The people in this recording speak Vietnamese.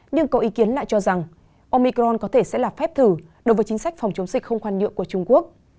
nhưng có ý kiến lại cho rằng omicron có thể sẽ là phép thử đối với chính sách phòng chống dịch không khoan nhượng của trung quốc